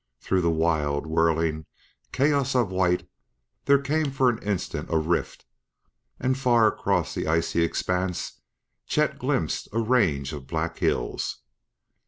Through the wild, whirling chaos of white there came for an instant a rift and far across an icy expanse Chet glimpsed a range of black hills!